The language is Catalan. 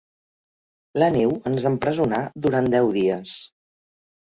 La neu ens empresonà durant deu dies.